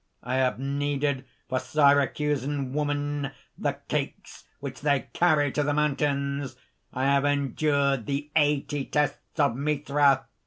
I have kneaded for Syracusan women the cakes which they carry to the mountains. I have endured the eighty tests of Mithra!